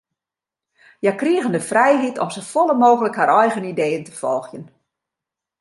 Hja krigen de frijheid om safolle mooglik har eigen ideeën te folgjen.